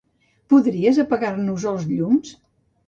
Podries apagar-nos els llums?